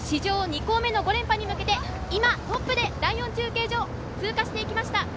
名城大学、史上２校目の５連覇に向けて今トップで第４中継所、通過していきました。